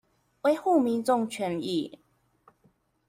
維護民眾權益